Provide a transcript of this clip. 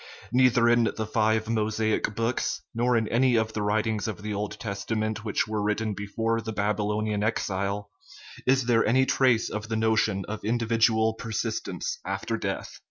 Neither in the " five Mosaic books/' nor in any of the writings of the Old Testament which were written before the Babylonian Exile, is there any trace of the notion of individual persistence after death.